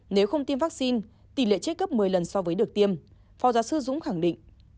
nếu không tiêm vaccine tỷ lệ chết gấp một mươi lần so với được tiêm phó giáo sư dũng khẳng định